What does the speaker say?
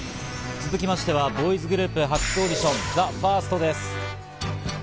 続きましてはボーイズグループ発掘オーディションＴＨＥＦＩＲＳＴです。